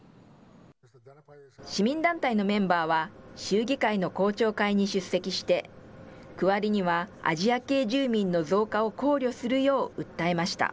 市民団体のメンバーは州議会の公聴会に出席して、区割りにはアジア系住民の増加を考慮するよう訴えました。